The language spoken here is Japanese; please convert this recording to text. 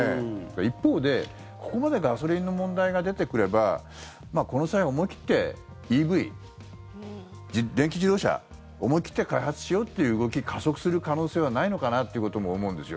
一方でここまでガソリンの問題が出てくればこの際、思い切ってＥＶ・電気自動車思い切って開発しようっていう動き加速する可能性はないのかなって思うんですよ。